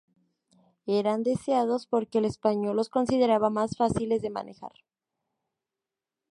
Eran deseados porque el español los consideraba más fáciles de manejar.